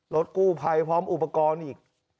รถกู้ภัยพร้อมอุปกรณ์อีก